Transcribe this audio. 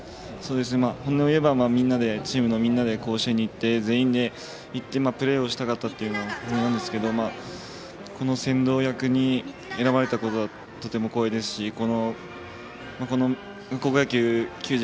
本音を言えばチームのみんなで甲子園に全員で行ってプレーをしたかったというのが本音なんですけど先導役に選ばれたことはとても光栄ですし高校球児